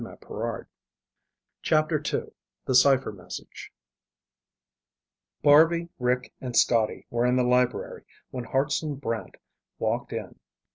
CHAHDA CHAPTER II The Cipher Message Barby, Rick, and Scotty were in the library when Hartson Brant walked in.